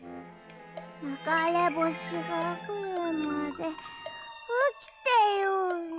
ながれぼしがくるまでおきてようね。